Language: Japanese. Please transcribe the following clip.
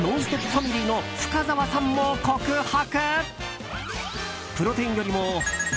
ファミリーの深澤さんも告白。